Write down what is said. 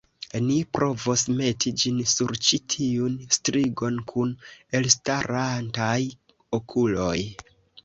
Ni provos meti ĝin sur ĉi tiun strigon kun elstarantaj okuloj!